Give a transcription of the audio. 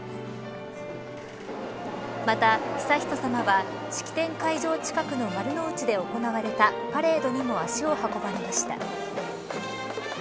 また、悠仁さまは式典会場近くの丸の内で行われたパレードにも足を運ばれました。